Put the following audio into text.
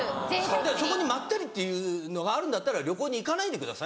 そこに「まったり」っていうのがあるんだったら旅行に行かないでください。